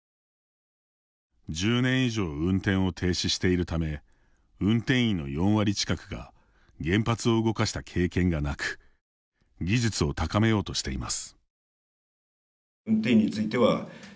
１０年以上運転を停止しているため運転員の４割近くが原発を動かした経験がなく技術を高めようとしています。